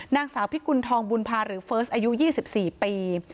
นางสาวพิกุณฑองบุญภาหรือเฟิร์สอายุ๒๔ปี